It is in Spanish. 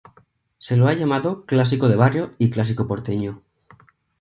Se lo ha llamado "clásico de barrio" y "clásico porteño".